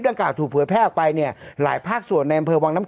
ดังกล่าวถูกเผยแพร่ออกไปเนี่ยหลายภาคส่วนในวังน้ำ